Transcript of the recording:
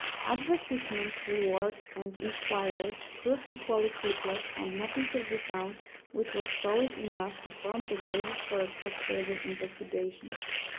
Advertisement, rewards, and inquiries proved equally fruitless, and nothing could be found which was solid enough to form the basis for a profitable investigation.